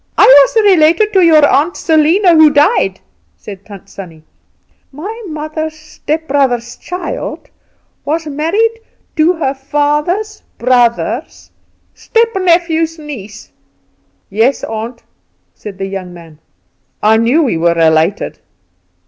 "I was related to your aunt Selena who died," said Tant Sannie. "My mother's stepbrother's child was married to her father's brother's stepnephew's niece." "Yes, aunt," said the young man, "I know we were related."